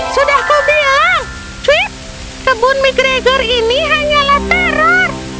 sudah kau bilang cuk kebun mcgregor ini hanyalah teror